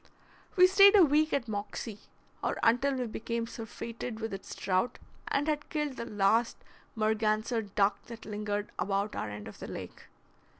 We stayed a week at Moxie, or until we became surfeited with its trout, and had killed the last Merganser duck that lingered about our end of the lake.